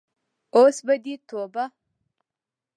اوس به دې توبه.